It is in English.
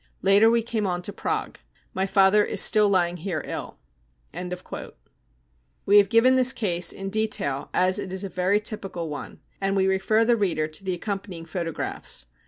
Later we came on to Prague. My father is still lying here ill," » We have given this case in detail as it is a very typical one, and we refer the reader to the accompanying photo graphs.